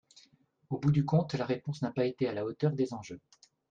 Au bout du compte, la réponse n’a pas été à la hauteur des enjeux.